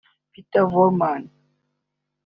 Peter Vrooman